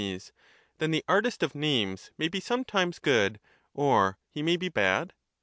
Then the artist of names may be sometimes good, or he may be bad?